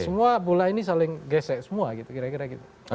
semua bola ini saling gesek semua gitu kira kira gitu